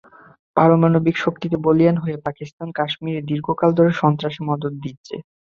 পারমাণবিক শক্তিতে বলীয়ান হয়ে পাকিস্তান কাশ্মীরে দীর্ঘকাল ধরে সন্ত্রাসে মদদ দিচ্ছে।